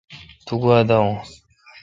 توگوا داؤؤن۔